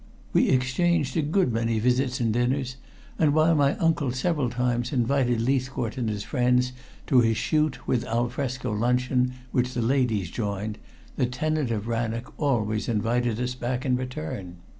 We exchanged a good many visits and dinners, and while my uncle several times invited Leithcourt and his friends to his shoot with al fresco luncheon, which the ladies joined, the tenant of Rannoch always invited us back in return.